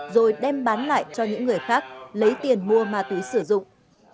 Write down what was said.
rồi đem bán lại cho những người khác lấy tiền mua mà tùy sử dụng